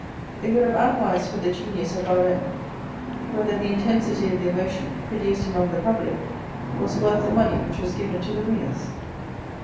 They would have analysed with the genius of Bareme whether the intensity of the emotion produced among the public was worth the money which was given to the ringers.